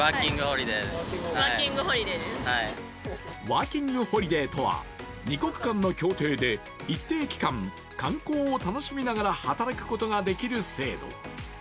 ワーキングホリデーとは２国間の協定で、一定期間、観光を楽しみながら働くことができる制度。